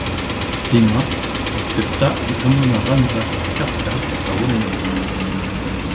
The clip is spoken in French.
Théna accepta et emmena Ransak et Karkas à Olympia.